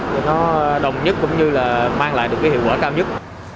thì nó đồng nhất cũng như là mang lại được cái hiệu quả cao nhất